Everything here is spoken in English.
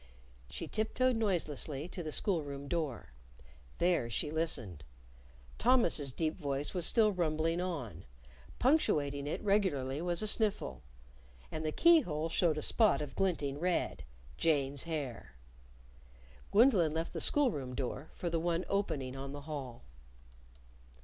She tiptoed noiselessly to the school room door. There she listened. Thomas's deep voice was still rumbling on. Punctuating it regularly was a sniffle. And the key hole showed a spot of glinting red Jane's hair. Gwendolyn left the school room door for the one opening on the hall.